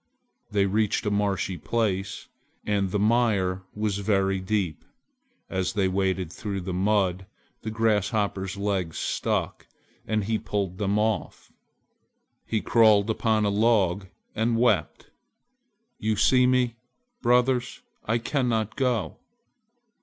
They reached a marshy place, and the mire was very deep. As they waded through the mud, the Grasshopper's legs stuck, and he pulled them off! He crawled upon a log and wept, "You see me, brothers, I cannot go!"